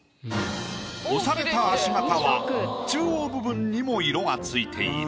押された足形は中央部分にも色がついている。